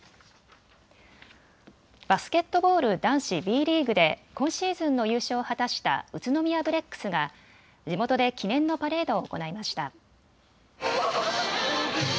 バスケットボール男子Ｂリーグで今シーズンの優勝を果たした宇都宮ブレックスが地元で記念のパレードを行いました。